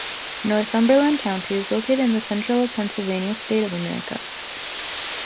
Northumberland county is located in the central of Pennsylvania state of America.